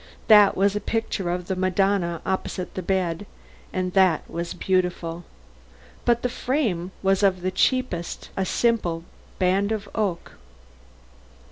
That was a picture of the Madonna opposite the bed, and that was beautiful. But the frame was of the cheapest a simple band of oak.